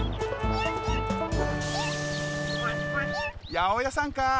やおやさんカー！